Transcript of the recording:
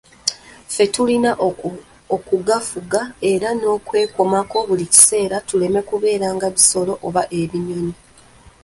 Ffe tulina okugafuga era n'okwekomako buli kiseera tuleme kubeera nga bisolo oba ebinyonyi.